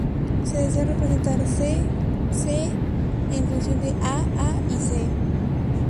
Se desea representar "c"..., "c" en función de "a", "a", y "c".